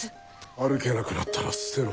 歩けなくなったら捨てろ。